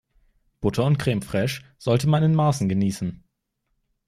Butter und Creme fraiche sollte man in Maßen genießen.